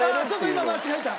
今間違えた。